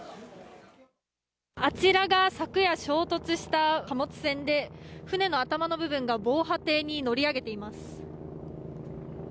あちらが昨夜、衝突した貨物船で船の頭の部分が防波堤に乗り上げています。